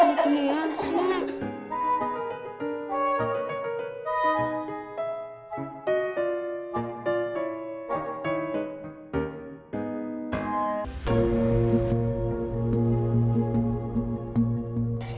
kenyahan sih ya